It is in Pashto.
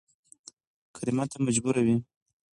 کريمه ته مجبوره يې